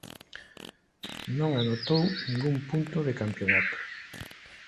Non anotou ningún punto de campionato.